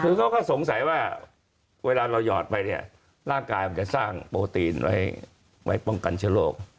คือเขาก็สงสัยว่าเวลาเราหยอดไปเนี่ยร่างกายมันจะสร้างโปรตีนไว้ป้องกันเชื้อโรค